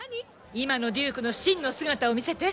「今のデュークの真の姿を見せて。